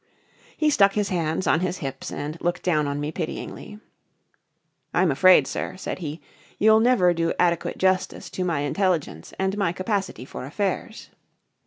He stuck his hands on his hips and looked down on me pityingly. "I'm afraid, sir," said he, "you'll never do adequate justice to my intelligence and my capacity for affairs."